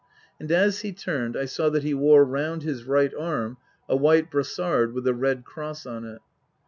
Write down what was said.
And as he turned I saw that he wore round his right arm a white brassard with a red cross on it.